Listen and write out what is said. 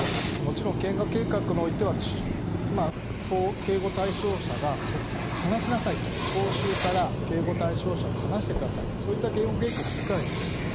もちろん警護計画においては警護対象者が離しなさいと聴衆から警護対象者を離してくださいそういった警護計画が作られているんですね。